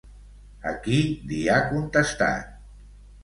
A qui li ha contestat?